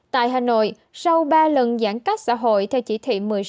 tại hà nội sau ba lần giãn cách xã hội theo chỉ thị một mươi sáu